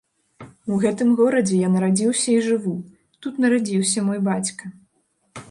У гэтым горадзе я нарадзіўся і жыву, тут нарадзіўся мой бацька.